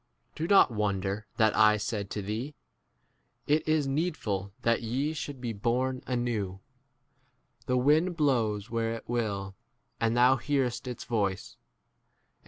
Do not wonder that I said to thee, It is needful that ye 8 should be born anew. The wind blows where it will, and thou hearest its voice, and knowest not o T. E.